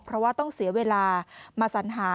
เพราะว่าต้องเสียเวลามาสัญหา